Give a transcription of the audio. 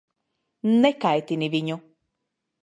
Nekaitini viņu.